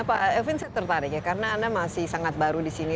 pak elvin saya tertarik ya karena anda masih sangat baru di sini